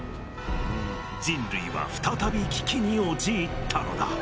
人類は再び危機におちいったのだ。